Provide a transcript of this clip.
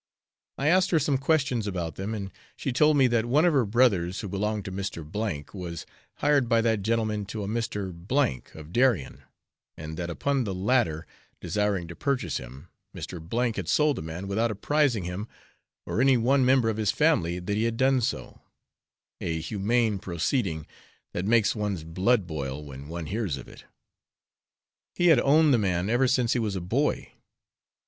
I asked her some questions about them, and she told me that one of her brothers, who belonged to Mr. K , was hired by that gentleman to a Mr. G of Darien, and that, upon the latter desiring to purchase him, Mr. K had sold the man without apprising him or any one member of his family that he had done so a humane proceeding that makes one's blood boil when one hears of it. He had owned the man ever since he was a boy.